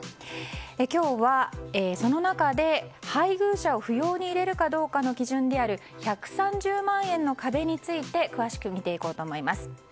今日はその中で、配偶者を扶養に入れるかどうかの基準の１３０万円の壁について詳しく見ていこうと思います。